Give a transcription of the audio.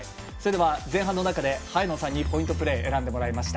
前半の中で早野さんにポイントプレーを選んでもらいました。